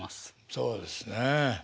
そうですね。